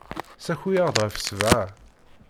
Ssaki-aɣ-d ɣef ssebɛa.